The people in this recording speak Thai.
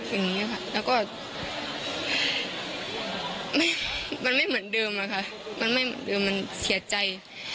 อย่างนี้ค่ะแล้วก็มันไม่เหมือนเดิมอะค่ะมันไม่เหมือนเดิมมันเสียใจ